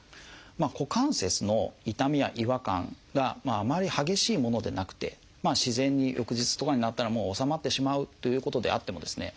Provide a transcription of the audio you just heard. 股関節の痛みや違和感があまり激しいものでなくて自然に翌日とかになったら治まってしまうということであってもですね